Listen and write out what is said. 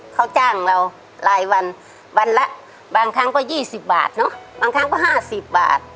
เขาจ้างเรารายวันวันละบางครั้งก็๒๐บาทเนอะบางครั้งก็๕๐บาท